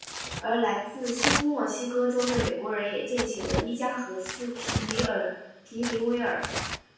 而来自新墨西哥州的美国人也建起了伊加和斯皮灵威尔。